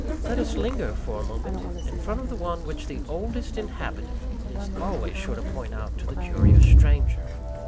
Let us linger, for a moment, in front of the one which the Oldest Inhabitant is always sure to point out to the curious stranger.